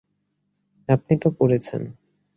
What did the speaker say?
আপনি তো করেছেন।